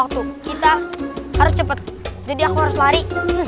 kita harus cepet jadi aku harus lari